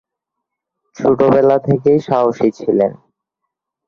ছোটবেলা থেকেই সাহসী ছিলেন।